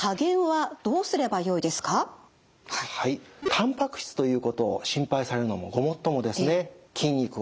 たんぱく質ということを心配されるのもごもっともですね。